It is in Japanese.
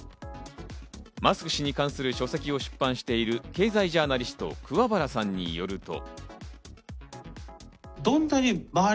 マスク氏に関する書籍を出版している経済ジャーナリスト・桑原さんによると。